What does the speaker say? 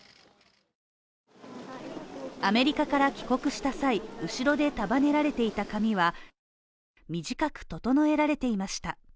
アメリカから帰国した際、後ろで束ねられていた髪は、短く整えられていました。